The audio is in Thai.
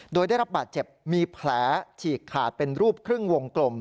โดยได้รับบาดเจ็บมีแผลฉีกขาดเป็นรูปครึ่งวงกลม